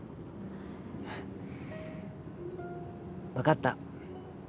分かった。